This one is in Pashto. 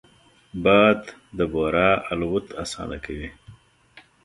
باد د بورا الوت اسانه کوي